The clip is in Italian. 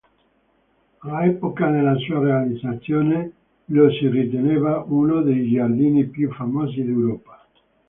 All'epoca della sua realizzazione lo si riteneva uno dei giardini più famosi d'Europa.